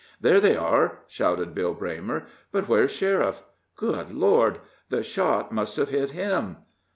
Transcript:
"There they are!" shouted Bill Braymer; "but where's sheriff? Good Lord! The shot must have hit him!"